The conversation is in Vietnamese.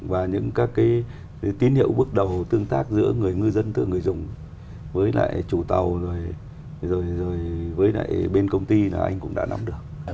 và những các tín hiệu bước đầu tương tác giữa người ngư dân người dùng với lại chủ tàu bên công ty là anh cũng đã nắm được